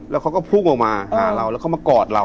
แล้วเขาก็พุ่งออกมาหาเราแล้วเขามากอดเรา